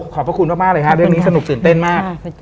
ขอบพระคุณมากเลยฮะเรื่องนี้สนุกตื่นเต้นมาก